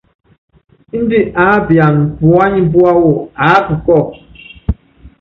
Índɛ aápiana puányi púawɔ, aáka kɔ́ɔku.